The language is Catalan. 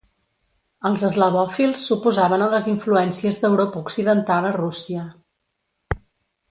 Els eslavòfils s'oposaven a les influències d’Europa Occidental a Rússia.